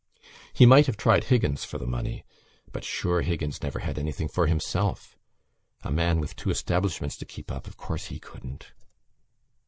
He might have tried Higgins for the money, but sure Higgins never had anything for himself. A man with two establishments to keep up, of course he couldn't....